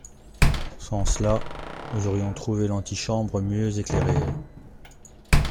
Sans cela, nous aurions trouvé l’antichambre mieux éclairée.